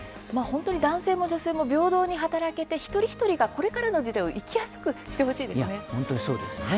本当に男性も女性も平等に働けて一人一人がこれからの時代を生きやすくしてほしいですね。